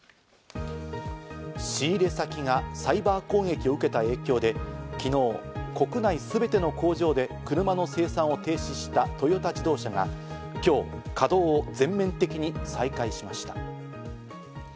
仕入れ先がサイバー攻撃を受けた影響で昨日、国内すべての工場で車の生産を停止したトヨタ自動車が今日、稼働を全面的に再開しました。